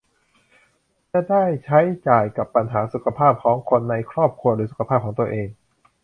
จะได้ใช้จ่ายกับปัญหาสุขภาพของคนในครอบครัวหรือสุขภาพของตัวเอง